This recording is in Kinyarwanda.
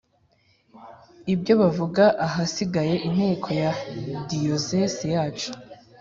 ibyo bavuga ahasigaye intego ya diyosezi yacu